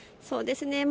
そうですね。